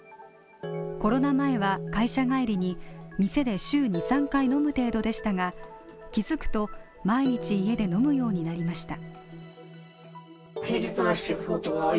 コロナ前は会社帰りに店で週２３回飲む程度でしたが気づくと毎日家で飲むようになりました。